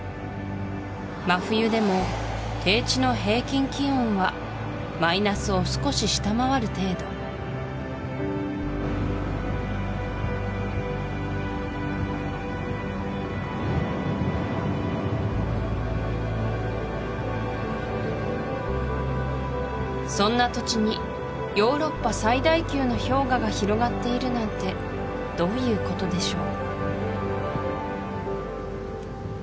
真冬でも低地の平均気温はマイナスを少し下回る程度そんな土地にヨーロッパ最大級の氷河が広がっているなんてどういうことでしょう？